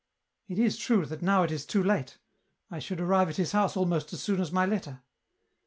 It is true that now it is too late, I should arrive at his house almost as soon as my letter.